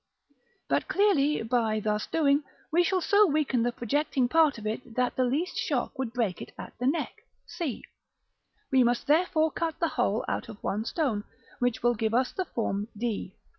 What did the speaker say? But clearly, by thus doing, we shall so weaken the projecting part of it that the least shock would break it at the neck, c; we must therefore cut the whole out of one stone, which will give us the form d.